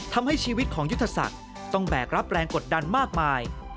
ทำให้ชีวิตของยุทธศักดิ์ต้องแบกรับแรงกดดันมากมาย